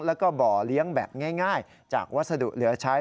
แล้วก็บ่อเลี้ยงแบบง่ายจากวัสดุเหลือใช้